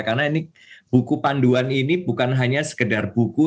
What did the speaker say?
karena ini buku panduan ini bukan hanya sekedar buku